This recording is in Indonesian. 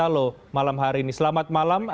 jalan jalan jalan